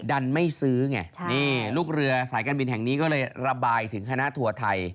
ดันไม่ซื้อไงนี่ลูกเรือสายการบินแห่งนี้ก็เลยระบายถึงคณะทัวร์ไทย